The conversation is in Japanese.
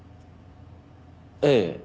ええ。